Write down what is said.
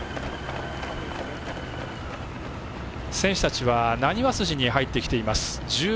選手たちはなにわ筋に入ってきています。